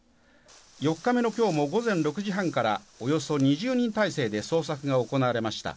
４日目の今日も午前６時半からおよそ２０人態勢で捜索が行われました。